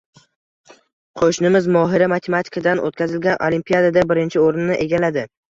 “Qo‘shnimiz Mohira matematikadan o‘tkazilgan olimpiadada birinchi o‘rinni egalladi